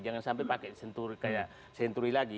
jangan sampai pakai senturi kayak senturi lagi